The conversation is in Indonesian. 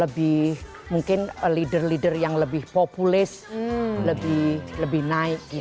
lebih mungkin leader leader yang lebih populis lebih naik